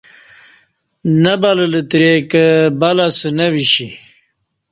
نہ بلہ لتری کہ بلہ اسہ نہ وشی